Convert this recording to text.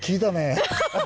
アハハハ！